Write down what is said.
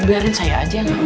biarin saya aja